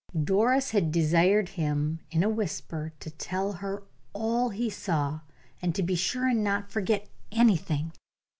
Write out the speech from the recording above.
Doris had desired him, in a whisper, to tell her all he saw, and to be sure and not forget anything.